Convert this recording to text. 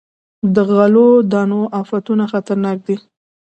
د غلو دانو افتونه خطرناک دي.